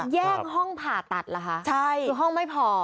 แย่งห้องผ่าตัดหรอคะห้องไม่พอ